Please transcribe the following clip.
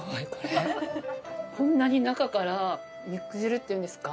こんなに中から肉汁っていうんですか？